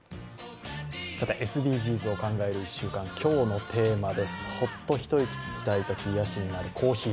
ＳＤＧｓを考える１週間今日のテーマです、ホッと一息つきたいときに癒やしになるコーヒー。